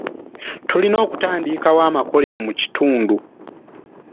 Tulina okutandikwo amakolero mu kitundu.